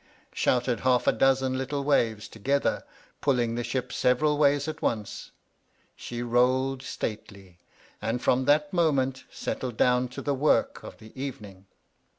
shouted half a dozen little waves to gether, pulling the ship several ways at once. She rolled stately, and from that moment set tled down to the work of the evening.